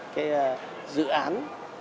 cái dự án